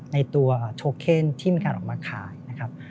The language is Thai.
ในตัวโทเคนที่มีการออกมาขายนะครับ